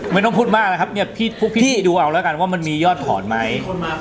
ไม่ต้องพูดมากนะครับเนี่ยพวกพี่ดูเอาแล้วกันว่ามันมียอดถอนไหม